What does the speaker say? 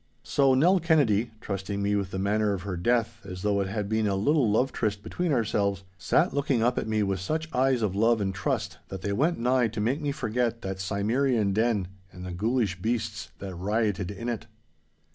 So Nell Kennedy, trusting me with the manner of her death as though it had been a little love tryst between ourselves, sat looking up at me with such eyes of love and trust that they went nigh to make me forget that Cimmerian den and the ghoulish beasts that rioted in it.